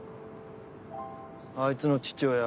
あいつの父親